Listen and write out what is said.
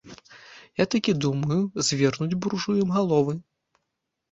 Я такі думаю, звернуць буржуям галовы!